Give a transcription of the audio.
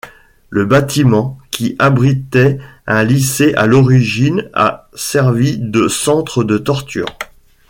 Le bâtiment, qui abritait un lycée à l'origine, a servi de centre de torture.